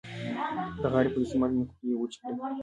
د غاړې په دستمال مې خولې وچې کړې.